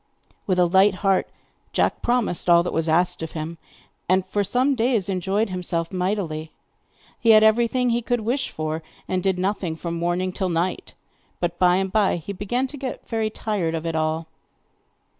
With a light heart Jack promised all that was asked of him, and for some days enjoyed himself mightily. He had everything he could wish for, and did nothing from morning till night; but by and by he began to get very tired of it all.